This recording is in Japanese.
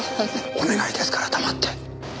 お願いですから黙って。